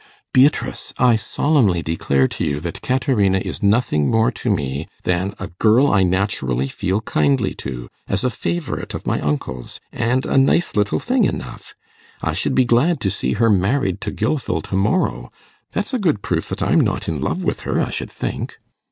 'Beatrice, I solemnly declare to you that Caterina is nothing more to me than a girl I naturally feel kindly to as a favourite of my uncle's, and a nice little thing enough. I should be glad to see her married to Gilfil to morrow; that's a good proof that I'm not in love with her, I should think.